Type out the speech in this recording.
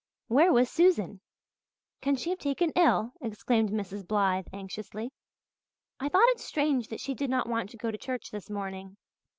Where was Susan? "Can she have taken ill?" exclaimed Mrs. Blythe anxiously. "I thought it strange that she did not want to go to church this morning."